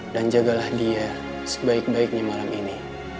dan jagalah dia sebaik baiknya malam ini